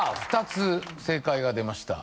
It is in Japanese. ２つ正解が出ました